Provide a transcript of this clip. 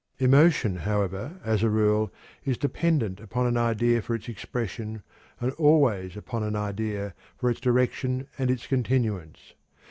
Emotion, however, as a rule, is dependent upon an idea for its expression, and always upon an idea for its direction and its continuance.